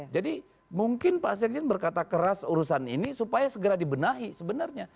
jadi mungkin pak sekjen berkata keras urusan ini supaya segera dibenahi sebenarnya